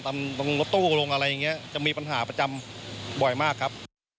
ตรงรถตู้ลงอะไรอย่างนี้จะมีปัญหาประจำบ่อยมากครับ